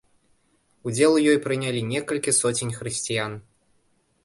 Удзел у ёй прынялі некалькі соцень хрысціян.